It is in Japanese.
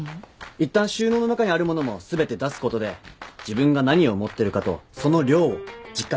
いったん収納の中にある物も全て出すことで自分が何を持ってるかとその量を実感できるんで。